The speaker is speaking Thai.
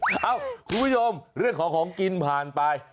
เอ้าคุณผู้ชมเรื่องของของกินผ่านไป